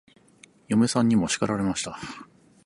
嫁さんにも叱られました。